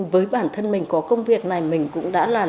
với bản thân mình có công việc này mình cũng đã làm